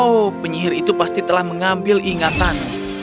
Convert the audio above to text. oh penyihir itu pasti telah mengambil ingatan